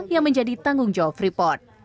yang menjadi tanggung jawab freeport